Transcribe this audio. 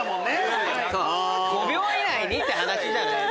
⁉５秒以内にって話じゃない。